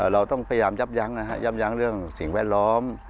เราต้องพยายามยับยั้งเรื่องสิ่งแวดล้อม